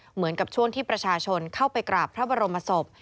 เหมือนกับช่วงที่ประชาชนเข้าไปกราบพระบรมศพ